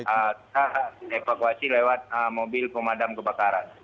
kita evakuasi lewat mobil pemadam kebakaran